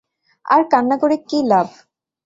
আর কান্না করে কী লাভ?